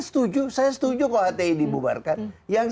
setuju saya setuju kalau hti dibubarkan yang